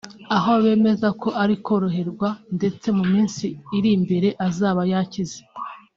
aho bemeje ko ari koroherwa ndetse mu minsi iri imbere azaba yakize